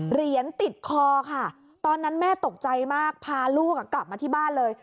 เหรียญติดคอค่ะตอนนั้นแม่ตกใจมากพาลูกกลับมาที่บ้านเลย